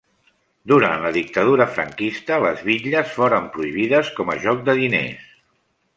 Durant la dictadura franquista les bitlles foren prohibides com a joc de diners.